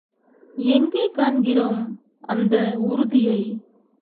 எங்கே காண்கிறோம் அந்த உறுதியை?